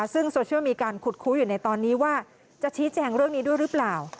ซึ่งโซเชียลมีการขุดคู้อยู่ในตอนนี้ว่าจะชี้แจงเรื่องนี้ด้วยหรือเปล่า